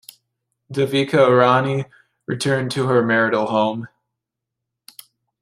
Devika Rani returned to her marital home.